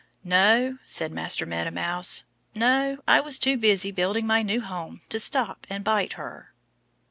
"No!" said Master Meadow Mouse. "No! I was too busy, building my new home, to stop and bite her."